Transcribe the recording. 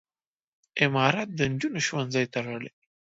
امارت د نجونو ښوونځي تړلي.